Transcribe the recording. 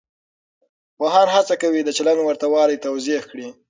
پوهان هڅه کوي چې د چلند ورته والی توضیح کړي.